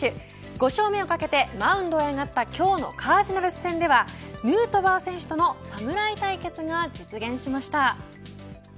５勝目をかけてマウンドへ上がった今日のカージナルス戦ではヌートバー選手との侍対決が実現しました。